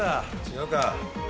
「違うか？」